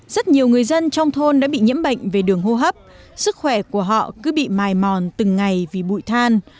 rất nhiều người dân trong thôn đã bị nhiễm bệnh về đường hô hấp sức khỏe của họ cứ bị mài mòn từng ngày vì bụi than